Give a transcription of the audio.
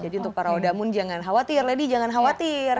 jadi untuk para odamun jangan khawatir lady jangan khawatir